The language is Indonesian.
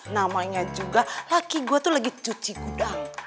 namanya juga laki gue tuh lagi cuci gudang